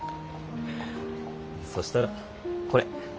そしたらこれ。